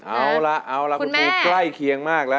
เอาละคุณปูใกล้เคียงมากแล้ว